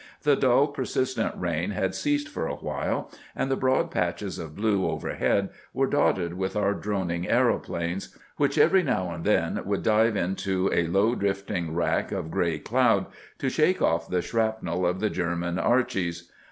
The dull, persistent rain had ceased for a little, and the broad patches of blue overhead were dotted with our droning aeroplanes, which every now and then would dive into a low drifting rack of grey cloud to shake off the shrapnel of the German "Archies."